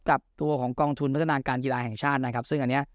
กับตัวของกองทุนพัฒนาการกีฬาแห่งชาตินะครับซึ่งอันเนี้ย